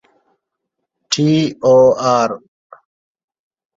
ޓީ.އޯ.އާރް.